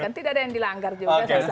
nanti ada yang dilanggar juga